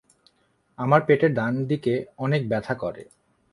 আমার পেটের ডান দিকে অনেক ব্যথা করে।